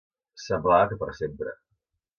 Semblava que per sempre